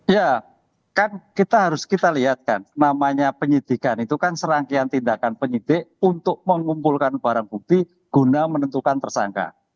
ya kan kita harus kita lihat kan namanya penyidikan itu kan serangkaian tindakan penyidik untuk mengumpulkan barang bukti guna menentukan tersangka